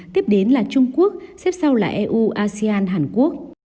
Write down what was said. tiếp đến là trung quốc xếp sau là eu asean hàn quốc